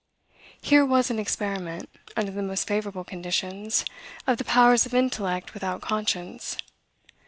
Here was an experiment, under the most favorable conditions, of the powers of intellect without conscience.